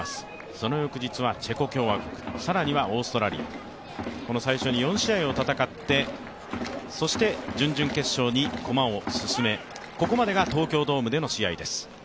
その翌日はチェコ共和国、更にはオーストラリア、最初に４試合を戦ってそして準々決勝に駒を進め、ここまでが東京ドームでの試合です。